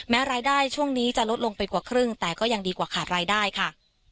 รายได้ช่วงนี้จะลดลงไปกว่าครึ่งแต่ก็ยังดีกว่าขาดรายได้ค่ะ